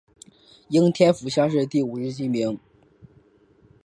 应天府乡试第五十七名。